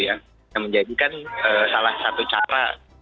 menjadikan salah satu cara dalam menyampaikan kritik adalah menggunakan kritik